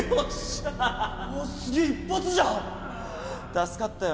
助かったよ